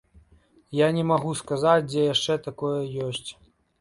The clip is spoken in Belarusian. Я не магу сказаць, дзе яшчэ такое ёсць.